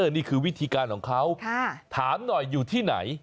นี่คือวิธีการของเขาถามหน่อยอยู่ที่ไหน